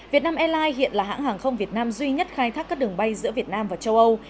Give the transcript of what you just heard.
việt nam airlines hiện là hãng hàng không việt nam duy nhất khai thác các đường bay giữa việt nam và châu âu